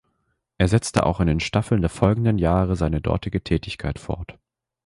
Er setzte auch in den Staffeln der folgenden Jahre seine dortige Tätigkeit fort.